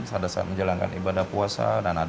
sada saat menjalankan ibadah puasa dan lain lain